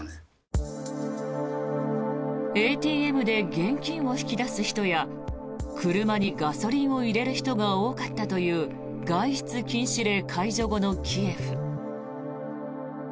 ＡＴＭで現金を引き出す人や車にガソリンを入れる人が多かったという外出禁止令解除後のキエフ。